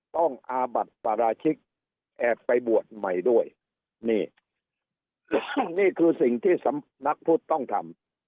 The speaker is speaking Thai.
อาบัติปราชิกแอบไปบวชใหม่ด้วยนี่นี่คือสิ่งที่สำนักพุทธต้องทำ